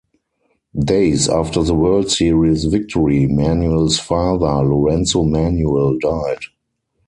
Days after the World Series victory, Manuel's father, Lorenzo Manuel, died.